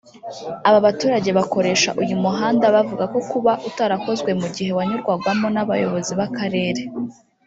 Aba baturage bakoresha uyu muhanda bavuga ko kuba utarakozwe mu gihe wanyurwagamo n’abayobozi b’Akarere